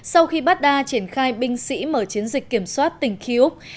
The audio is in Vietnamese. sau khi bada triển khai binh sĩ mở chiến dịch kiểm soát tỉnh kyuk